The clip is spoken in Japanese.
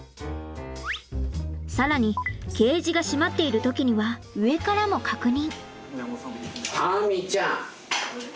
更にケージが閉まっている時には上からも確認。